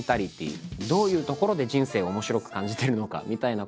どういうところで人生を面白く感じてるのかみたいなこと。